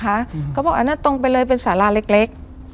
เขาก็บอกอ่ะนั่นตรงไปเลยเป็นสาราเล็ก